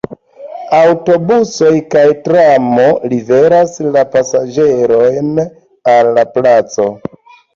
Aŭtobusoj kaj tramo liveras la pasaĝerojn al la placo.